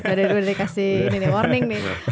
udah dikasih warning nih